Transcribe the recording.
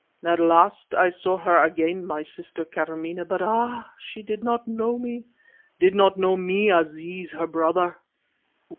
At last I saw her again, my sister, Karamaneh; but ah! she did not know me, did not know me, Aziz her brother!